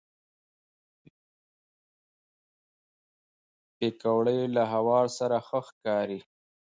پکورې له هوار سره ښه ښکاري